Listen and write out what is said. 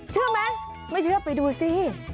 เชื่อไหมไม่เชื่อไปดูสิ